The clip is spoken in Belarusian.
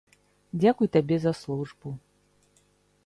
Дзякуй табе за службу!